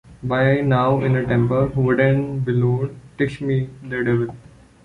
By now in a temper, Wooden bellowed: "'tish me, the Devil".